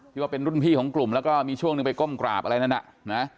ว่าเป็นรุ่นพี่ของกลุ่มแล้วก็มีช่วงหนึ่งไปก้มกราบอะไรนั่นน่ะนะ